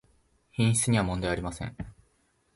品質にはもんだいありません